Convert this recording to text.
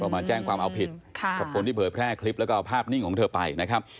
มาแจ้งความเอาผิดกับคนที่เผยแพร่คลิปแล้วก็เอาภาพนิ่งของเธอไปนะครับ